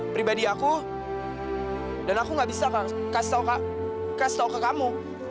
pribadi aku dan aku nggak bisa kasih tau ke kamu